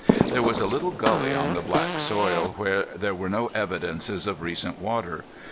There was a little gully on the black soil where there were no evidences of recent water.